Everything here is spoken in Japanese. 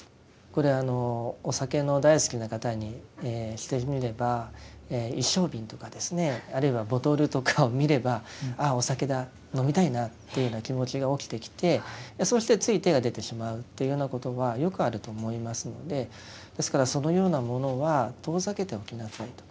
これお酒の大好きな方にしてみれば一升瓶とかですねあるいはボトルとかを見ればああお酒だ飲みたいなというような気持ちが起きてきてそしてつい手が出てしまうというようなことがよくあると思いますのでですからそのようなものは遠ざけておきなさいと。